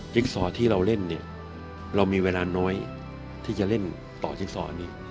ซอที่เราเล่นเนี่ยเรามีเวลาน้อยที่จะเล่นต่อจิ๊กซอนี่